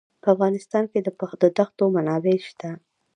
په افغانستان کې د دښتو منابع شته.